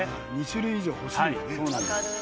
２種類以上欲しいよね。